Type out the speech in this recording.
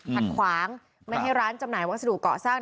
ขัดขวางไม่ให้ร้านจำหน่ายวัสดุเกาะสร้าง